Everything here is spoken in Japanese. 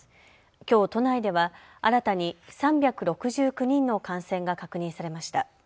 きょう都内では新たに３６９人の感染が確認されました。